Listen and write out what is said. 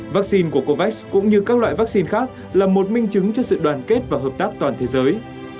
vaccine của covid cũng như các loại vaccine khác là một minh chứng cho sự đoàn kết và hợp tác toàn thế giới